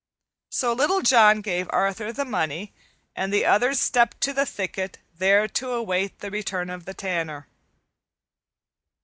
So Little John gave Arthur the money, and the others stepped to the thicket, there to await the return of the Tanner.